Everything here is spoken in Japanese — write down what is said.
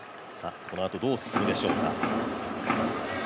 このあと、どう進むでしょうか。